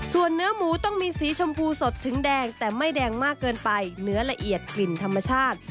ส่วนเนื้อหมูต้องมีสีชมพูสดถึงแดงแต่ไม่แดงมากเกินไปเนื้อละเอียดกลิ่นธรรมชาติ